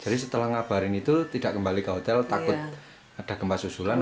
jadi setelah ngabarin itu tidak kembali ke hotel takut ada gempa susulan